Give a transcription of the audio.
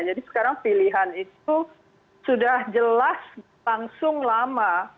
jadi sekarang pilihan itu sudah jelas langsung lama